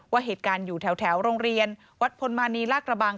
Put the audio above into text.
ว่าเหตุการณ์อยู่แถวโรงเรียนวัดพลมานีลากระบัง